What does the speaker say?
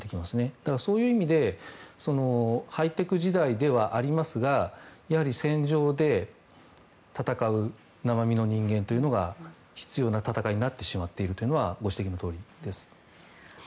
だからそういう意味でハイテク時代ではありますがやはり戦場で戦う生身の人間というのが必要な戦いになってしまっているのはご指摘のとおりです。